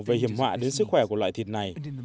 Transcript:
gây hiểm họa đến sức khỏe của loại thịt này